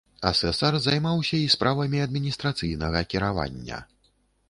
Асэсар займаўся і справамі адміністрацыйнага кіравання.